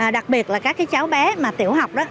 đặc biệt là các cháu bé tiểu học